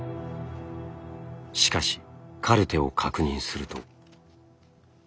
しかしカルテを確認すると。